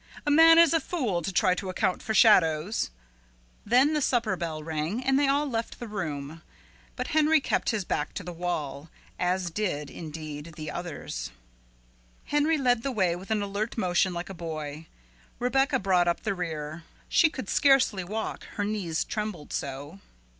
"A man is a fool to try to account for shadows." Then the supper bell rang, and they all left the room, but Henry kept his back to the wall as did, indeed, the others. Henry led the way with an alert motion like a boy; Rebecca brought up the rear. She could scarcely walk, her knees trembled so.